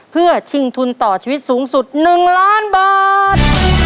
เพื่อชิงทุนต่อชีวิตสูงสุด๑ล้านบาท